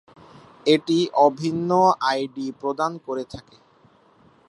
এটি অভিন্ন আইডি প্রদান করে থাকে।